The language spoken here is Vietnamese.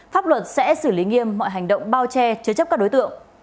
pháp luật sẽ xử lý nghiêm mọi hành động bao che chứa chấp các đối tượng